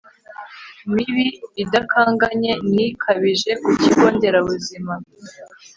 mibi idakanganye ni kabije ku kigo nderabuzima